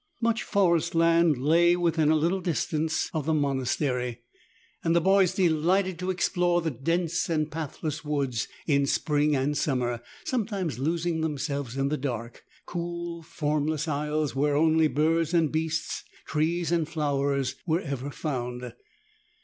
Much forest land lay within a little distance of the 10 monastery, and the boys delighted to explore the dense and pathless woods in spring and summer, sometimes losing themselves in the dark, cool, formless aisles where only birds and beasts, trees and flowers were ever found.